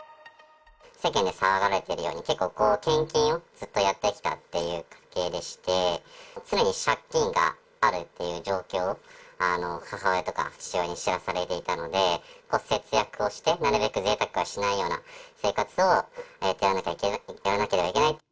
世間で騒がれてるように結構、献金をずっとやってきたという家系でして、常に借金があるっていう状況、母親とか父親に知らされていたので、節約をして、なるべくぜいたくはしないような生活をやらなければいけない。